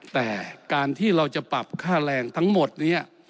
แต่การที่เราจะปรับค่าแรงทั้งหมดนี้